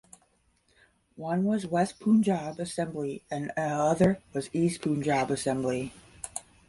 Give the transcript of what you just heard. One was West Punjab Assembly and other was East Punjab Assembly.